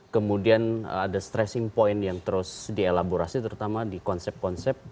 kemudian ada stress point yang terus di elaborasi terutama di konsep konsep